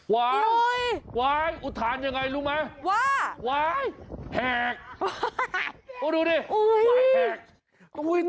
ว้ายว้ายอุทานยังไงรู้ไหมว้ายแหกโอ้ดูดิแหก